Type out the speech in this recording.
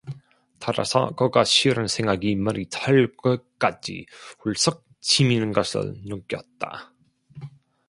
따라서 그가 싫은 생각이 머리털 끝까지 훌썩 치미는 것을 느꼈다.